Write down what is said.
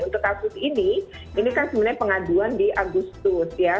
untuk kasus ini ini kan sebenarnya pengaduan di agustus ya